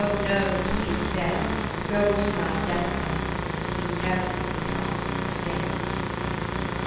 no, he is dead. Go to thy death bed, He never will come again.'